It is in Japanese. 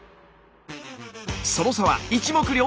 その差は一目瞭然。